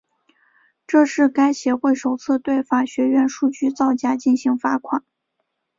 这是该协会首次对法学院数据造假进行罚款。